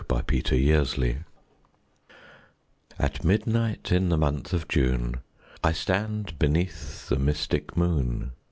THE SLEEPER At midnight, in the month of June, I stand beneath the mystic moon.